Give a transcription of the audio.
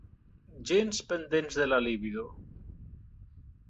Gens pendents de la libido.